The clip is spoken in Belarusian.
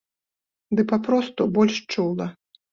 Ды папросту больш чула.